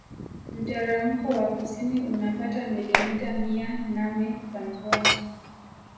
Mteremko wa kusini unapata milimita mia name za mvua